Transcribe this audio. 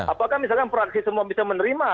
apakah misalkan fraksi semua bisa menerima